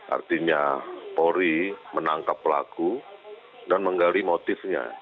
artinya polri menangkap pelaku dan menggali motifnya